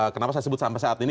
kenapa saya sebut sampai saat ini